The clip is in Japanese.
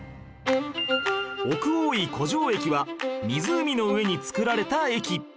奥大井湖上駅は湖の上に造られた駅